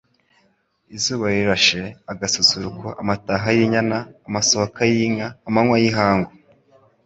IZUBA RIRASHE, AGASUSURUKO, AMATAHA Y'INYANA, AMASHOKA Y'INKA, AMANYWA Y'IHANGU,